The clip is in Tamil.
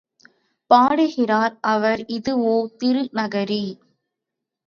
பாடுகிறார் அவர் இதுவோ திரு நகரி?